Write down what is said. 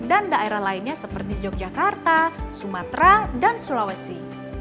dan daerah lainnya seperti yogyakarta sumatera dan sulawesi